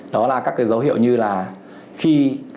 đó là các cái dấu hiệu như là khi